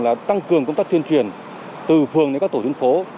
là tăng cường công tác tuyên truyền từ phường đến các tổ dân phố